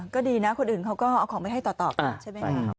ก็ดีนะคนอื่นเขาก็เอาของไปให้ต่อกันใช่ไหมครับ